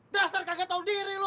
dasar kagak tau diri lo